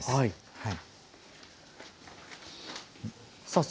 はい。